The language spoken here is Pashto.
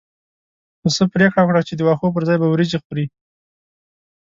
پسه پرېکړه وکړه چې د واښو پر ځای به وريجې خوري.